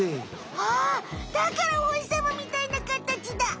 あっだからおほしさまみたいなかたちだ。